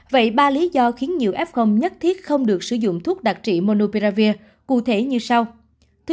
vậy ba lý do khiến nhiều f nhất thiết không được sử dụng thuốc đặc trị monophravir cụ thể như sau